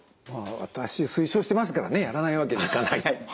私推奨してますからねやらないわけにいかないということで。